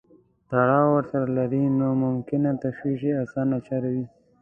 تړاو ورسره لري نو ممکن تشویق یې اسانه چاره وي.